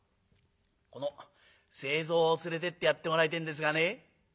この清蔵を連れてってやってもらいてえんですがね」。